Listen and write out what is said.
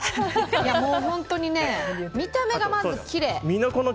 もう、本当に見た目がまずきれい。